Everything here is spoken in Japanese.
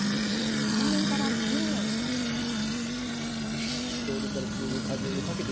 専門家は次のように話しています。